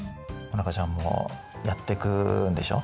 好花ちゃんもやってくんでしょ？